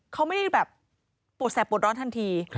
เขาไม่ได้แบบปวดแสบปวดร้อนทันที